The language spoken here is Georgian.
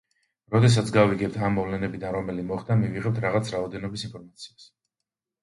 როდესაც გავიგებთ ამ მოვლენებიდან რომელი მოხდა მივიღებთ რაღაც რაოდენობის ინფორმაციას.